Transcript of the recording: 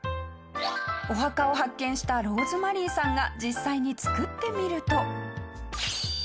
お墓を発見したローズマリーさんが実際に作ってみると。